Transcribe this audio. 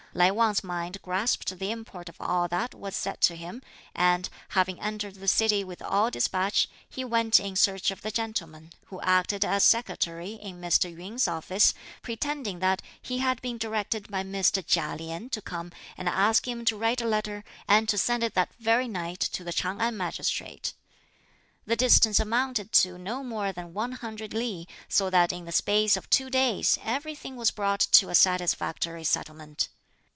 Lai Wang's mind grasped the import of all that was said to him, and, having entered the city with all despatch, he went in search of the gentleman, who acted as secretary (in Mr. Yün's office), pretending that he had been directed by Mr. Chia Lien to come and ask him to write a letter and to send it that very night to the Ch'ang An magistrate. The distance amounted to no more than one hundred li, so that in the space of two days everything was brought to a satisfactory settlement.